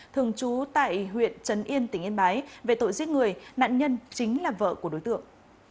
thường trú tại huyện trấn yên tỉnh yên bái về tội giết người nạn nhân chính là vợ của đối tượng